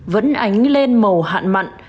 vẫn ánh lên màu hạn mặn